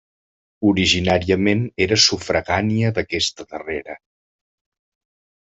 Originàriament era sufragània d'aquesta darrera.